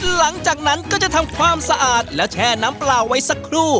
หลังจากนั้นก็จะทำความสะอาดแล้วแช่น้ำเปล่าไว้สักครู่